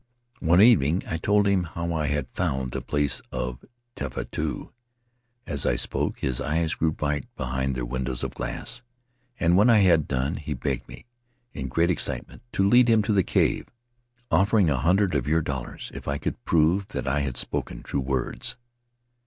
One evening I told him how I had found the place of Tefatu. As I spoke his eyes grew bright be hind their windows of glass, and when I had done he begged me, in great excitement, to lead him to the cave — offering a hundred of your dollars if I could prove that I had spoken true words.